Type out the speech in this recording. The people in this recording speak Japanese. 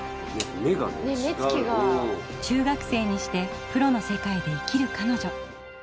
中学生にしてプロの世界で生きるかのじょ。